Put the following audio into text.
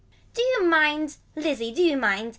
Do you mind. Lizzie do you mind.